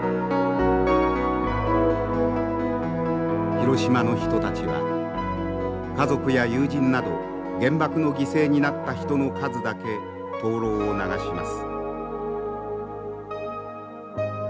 広島の人たちは家族や友人など原爆の犠牲になった人の数だけ灯ろうを流します。